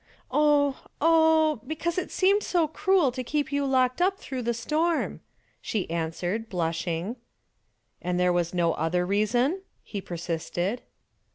"Oh oh, because it seemed so cruel to keep you locked up through the storm," she answered, blushing. "And there was no other reason?" he persisted.